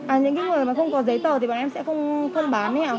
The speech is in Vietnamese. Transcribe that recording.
à những người mà không có giấy tờ thì bọn em sẽ không bán đấy ạ